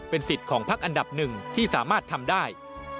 สิทธิ์ของพักอันดับหนึ่งที่สามารถทำได้